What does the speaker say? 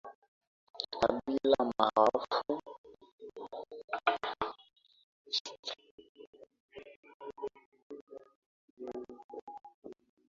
kabila maarufu ulimwenguni kwa tamaduni zao za kipekee na kivutio maarufu cha utalii